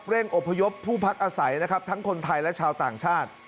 อบพยพผู้พักอาศัยนะครับทั้งคนไทยและชาวต่างชาติ